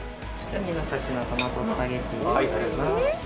海の幸のトマトスパゲティでございます。